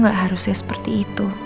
gak harusnya seperti itu